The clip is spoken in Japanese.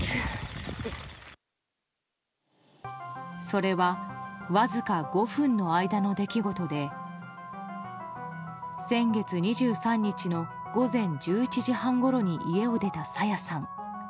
それはわずか５分の間の出来事で先月２３日の午前１１時半ごろに家を出た朝芽さん。